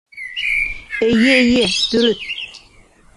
— Эйе, эйе, дөрөҫ.